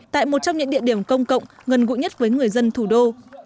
tại một trong những địa điểm công cộng gần gũi nhất với người dân thủ đô